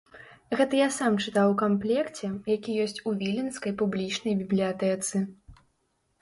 Гэта я сам чытаў у камплекце, які ёсць у віленскай публічнай бібліятэцы.